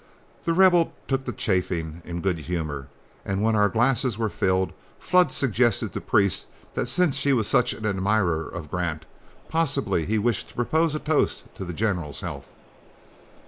The Rebel took the chaffing in all good humor, and when our glasses were filled, Flood suggested to Priest that since he was such an admirer of Grant, possibly he wished to propose a toast to the general's health.